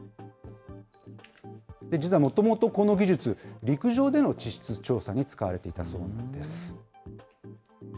実はもともとこの技術、陸上での地質調査に使われていたものなんです。